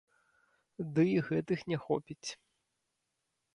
Ды і гэтых не хопіць.